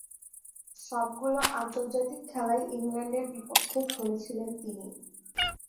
সবগুলো আন্তর্জাতিক খেলাই ইংল্যান্ডের বিপক্ষে খেলেছিলেন তিনি।